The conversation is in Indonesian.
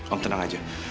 om tenang aja